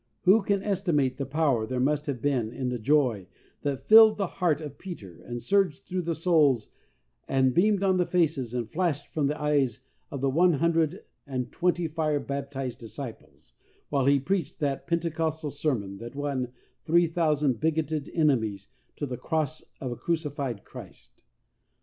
9 Who can estimate the power there must have been in the joy that filled the heart of Peter and surged through the souls and beamed on the faces and flashed from the eyes of the one hundred and twenty fire baptized disciples, while he preached that Pentecostal sermon that won three thou sand bigoted enemies to the Cross of a crucified Christ?